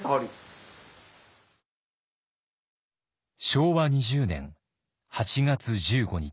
昭和２０年８月１５日。